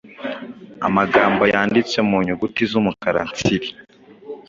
amagambo yanditse mu nyuguti z’umukara tsiri